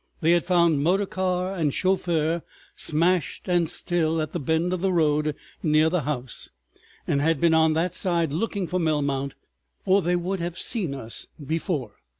They had found motor car and chauffeur smashed and still at the bend of the road near the house, and had been on that side looking for Melmount, or they would have seen us before.